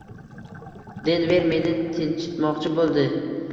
Denver meni tinchitmoqchi bo`ldi